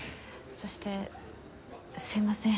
そしてすいません。